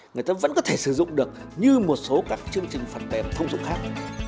người ta vẫn có thể sử dụng được như một số các chương trình phần mềm thông dụng khác